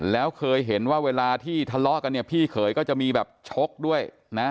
แล้วเคยเห็นว่าเวลาที่ทะเลาะกันเนี่ยพี่เขยก็จะมีแบบชกด้วยนะ